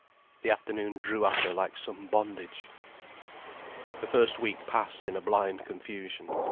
The afternoon drew at her like some bondage. The first week passed in a blind confusion.